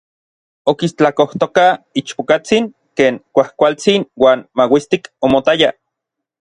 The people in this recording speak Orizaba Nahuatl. Okistlakojtokaj ichpokatsin ken kuajkualtsin uan mauistik omotaya.